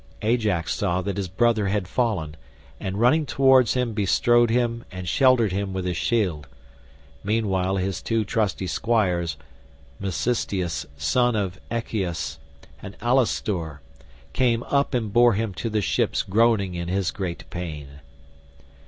Ajax saw that his brother had fallen, and running towards him bestrode him and sheltered him with his shield. Meanwhile his two trusty squires, Mecisteus son of Echius, and Alastor, came up and bore him to the ships groaning in his great pain.